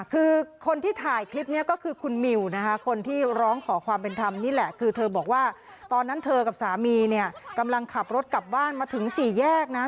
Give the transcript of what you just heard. คือคนที่ถ่ายคลิปนี้ก็คือคุณมิวนะคะคนที่ร้องขอความเป็นธรรมนี่แหละคือเธอบอกว่าตอนนั้นเธอกับสามีเนี่ยกำลังขับรถกลับบ้านมาถึงสี่แยกนะ